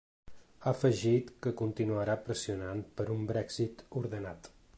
Ha afegit que continuarà pressionant per a un ‘Brexit ordenat’.